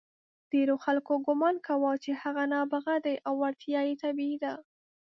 ډېرو خلکو ګمان کاوه چې هغه نابغه دی او وړتیا یې طبیعي ده.